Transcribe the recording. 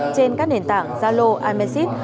trên các nền tảng zalo imessage